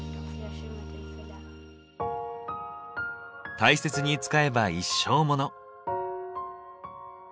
大切に使えば一生モノ。